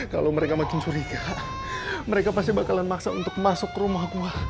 kalau mereka makin curiga mereka pasti bakalan maksa untuk masuk ke rumah